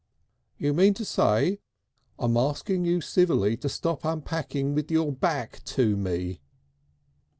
"You mean to say I'm asking you civilly to stop unpacking with your back to me."